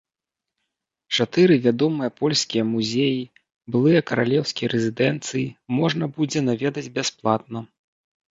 Чатыры вядомыя польскія музеі, былыя каралеўскія рэзідэнцыі, можна будзе наведаць бясплатна.